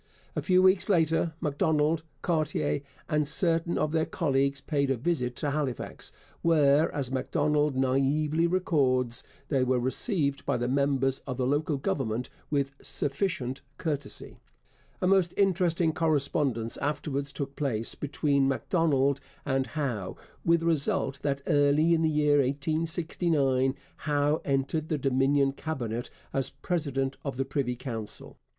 A few weeks later Macdonald, Cartier, and certain of their colleagues paid a visit to Halifax, where, as Macdonald naïvely records, they were received by the members of the local government with 'sufficient courtesy.' A most interesting correspondence afterwards took place between Macdonald and Howe, with the result that early in the year 1869 Howe entered the Dominion Cabinet as president of the Privy Council.